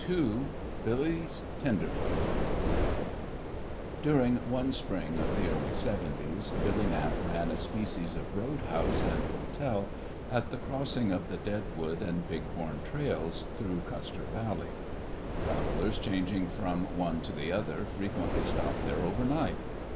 II BILLY'S TENDERFOOT During one spring of the early seventies Billy Knapp ran a species of road house and hotel at the crossing of the Deadwood and Big Horn trails through Custer Valley. Travellers changing from one to the other frequently stopped there over night.